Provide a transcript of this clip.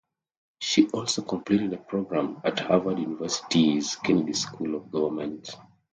She also completed a program at Harvard University's Kennedy School of Government.